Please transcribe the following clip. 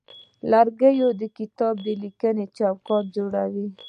لرګی د کتابلیکنې چوکاټ جوړوي.